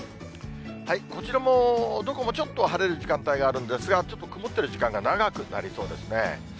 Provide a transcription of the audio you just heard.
こちらもどこもちょっと晴れる時間帯があるんですが、ちょっと曇っている時間帯が長くなりそうですね。